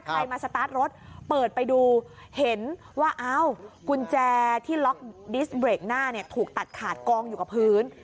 มาสตาร์ทรถเปิดไปดูเห็นว่าอ้าวกุญแจที่ล็อกดิสเบรกหน้าเนี่ยถูกตัดขาดกองอยู่กับพื้น